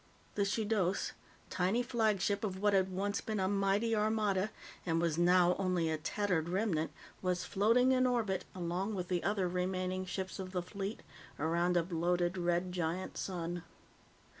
The Shudos, tiny flagship of what had once been a mighty armada and was now only a tattered remnant, was floating in orbit, along with the other remaining ships of the fleet, around a bloated red giant sun.